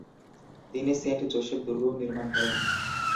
তিনি Saint Joseph দুর্গও নির্মাণ করেন।